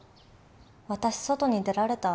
私外に出られた。